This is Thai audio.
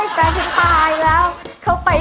ยังไงสับยังไง